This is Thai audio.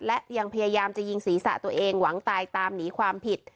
และยังพยายามจะยิงศีรษะตัวเองหวังตายตามหนีความผิด